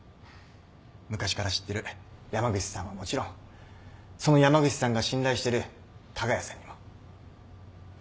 昔から知ってる山口さんはもちろんその山口さんが信頼してる加賀谷さんにも。